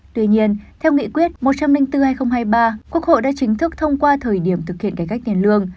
tuy nhiên theo nghị quyết một trăm linh bốn hai nghìn hai mươi ba quốc hội đã chính thức thông qua thời điểm thực hiện cải cách tiền lương